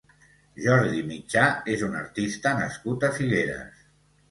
Jordi Mitjà és un artista nascut a Figueres.